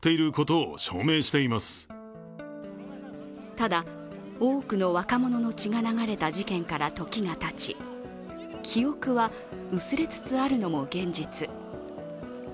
ただ、多くの若者の血が流れた事件から時がたち記憶は薄れつつあるのも現実。